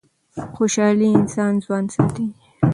خوشحالي انسان ځوان ساتي.